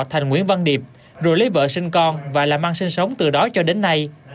thành nguyễn văn điệp rồi lấy vợ sinh con và là mang sinh sống từ đó cho đến nay